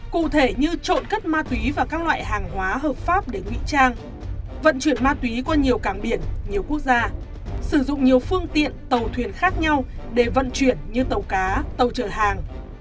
cụ thể như trộm cất ma túy và các loại hàng hóa hợp pháp để ngụy trang vận chuyển ma túy qua nhiều cảng biển nhiều quốc gia sử dụng nhiều phương tiện tàu thuyền khác nhau để vận chuyển như tàu cá tàu trợ hàng